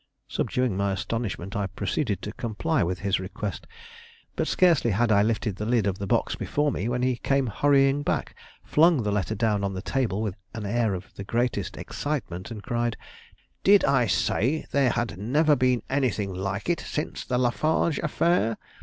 Subduing my astonishment, I proceeded to comply with his request, but scarcely had I lifted the lid of the box before me when he came hurrying back, flung the letter down on the table with an air of the greatest excitement, and cried: "Did I say there had never been anything like it since the Lafarge affair?